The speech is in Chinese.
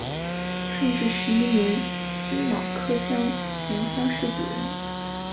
顺治十一年辛卯科江南乡试举人。